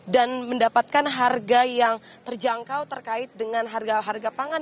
dan mendapatkan harga yang terjangkau terkait dengan harga harga pangan